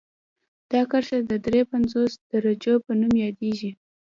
دا کرښه د دري پنځوس درجو په نوم یادیږي